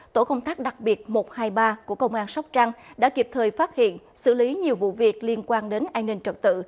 tổ công tác đặc biệt một trăm hai mươi ba của công an sóc trăng đã kịp thời phát hiện xử lý nhiều vụ việc liên quan đến an ninh trật tự